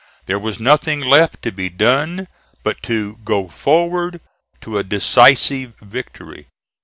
There was nothing left to be done but to go FORWARD TO A DECISIVE VICTORY.